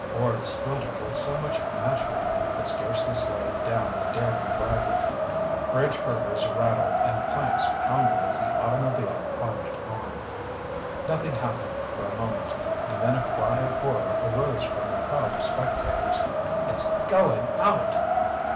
Boards splintered like so much match wood, but scarcely slowed down the daring driver. Bridge girders rattled and planks pounded as the automobile plunged on. Nothing happened for a moment. And then a cry of horror arose from the crowd of spectators. "It's going out!"